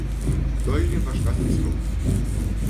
Долли вошла с письмом.